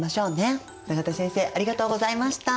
永田先生ありがとうございました。